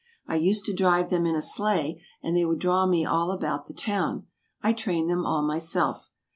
I used to drive them in a sleigh, and they would draw me all about the town. I trained them all myself.